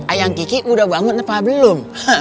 ayam kiki udah bangun apa belum